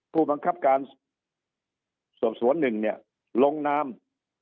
ผู้บังคับการสวหนึ่งเนี่ยลงน้ำ